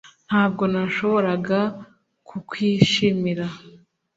Ntabwo nashoboraga kukwishimira